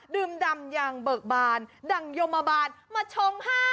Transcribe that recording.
ดื่มดำอย่างเบิกบานดั่งยมบาลมาชงให้